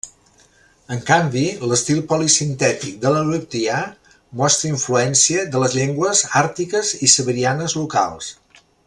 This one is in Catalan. En canvi, l'estil polisintètic de l'aleutià mostra influència de les llengües àrtiques i siberianes locals.